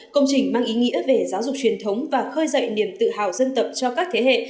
công trình mang ý nghĩa về giáo dục truyền thống và khơi dậy niềm tự hào dân tộc cho các thế hệ